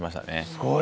すごい。